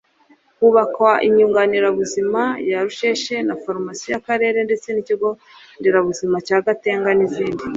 Hubakwa inyunganirabuzima ya Rusheshe na farumasi y’akarere ndetse n’ikigo nderabuzima cya Gatenga n’izindi